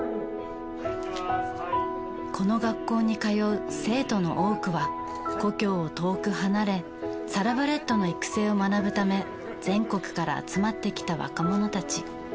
この学校に通う生徒の多くは故郷を遠く離れサラブレッドの育成を学ぶため全国から集まってきた若者たち。